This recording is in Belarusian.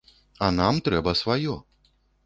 А нам трэба сваё.